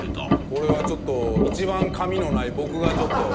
これはちょっと一番髪のない僕がちょっと。